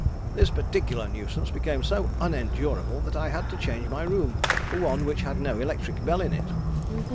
This particular nuisance became so unendurable that I had to change my room for one which had no electric bell in it.